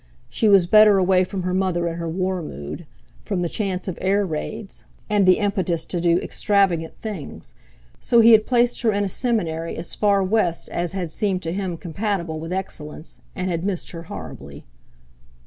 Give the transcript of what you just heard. She was better away from her mother in her war mood, from the chance of air raids, and the impetus to do extravagant things; so he had placed her in a seminary as far West as had seemed to him compatible with excellence, and had missed her horribly.